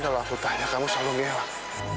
kalau aku tanya kamu selalu belak